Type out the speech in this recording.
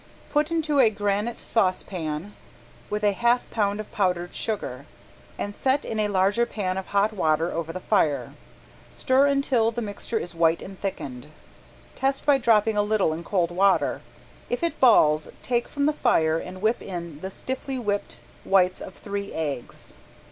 Put into a granite saucepan with a half pound of powdered sugar, and set in a larger pan of hot water over the fire. Stir until the mixture is white and thickened. Test by dropping a little in cold water. If it "balls," take from the fire and whip in the stiffly whipped whites of three eggs.